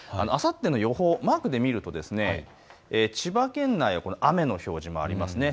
あさっての予報、マークで見ると千葉県内、雨の表示もあります。